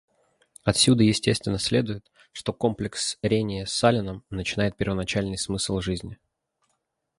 Отсюда естественно следует, что комплекс рения с саленом начинает первоначальный смысл жизни.